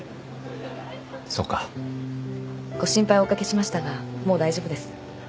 そうか。ご心配おかけしましたがもう大丈夫です。